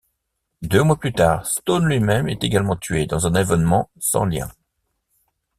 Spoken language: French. Deux mois plus tard, Stone lui-même est également tué dans un événement sans lien.